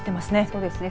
そうですね。